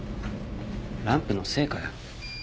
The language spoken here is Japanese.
ランプの精かよ。